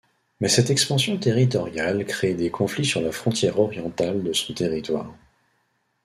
Mais cette expansion territoriale crée des conflits sur la frontière orientale de son territoire.